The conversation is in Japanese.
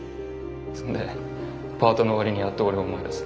そんでパートの終わりにやっと俺を思い出す。